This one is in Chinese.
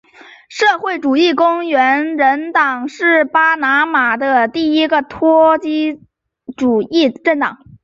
社会主义工人党是巴拿马的一个托洛茨基主义政党。